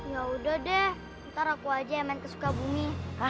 yaudah deh ntar aku aja yang main ke sukabumi